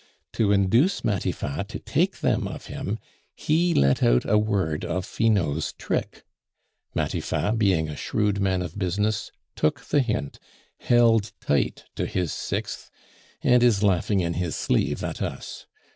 To induce Matifat to take them of him, he let out a word of Finot's trick. Matifat, being a shrewd man of business, took the hint, held tight to his sixth, and is laughing in his sleeve at us.